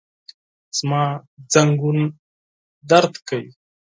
زما زنګون درد کوي